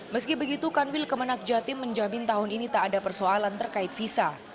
meski begitu kanwil kemenang jatim menjamin tahun ini tak ada persoalan terkait visa